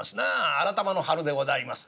新玉の春でございます。